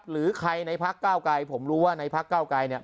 หรือใครในภาคเก้ากายผมรู้ว่าในภาคเก้ากายเนี่ย